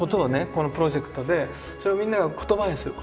このプロジェクトでそれをみんなが言葉にする。